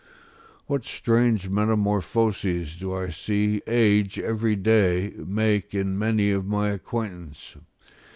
What strange metamorphoses do I see age every day make in many of my acquaintance!